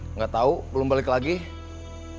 enggak tahu belum balik lagi telepon